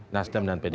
nasdem dan p tiga